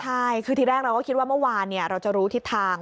ใช่คือทีแรกเราก็คิดว่าเมื่อวานเราจะรู้ทิศทาง